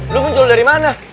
lo muncul dari mana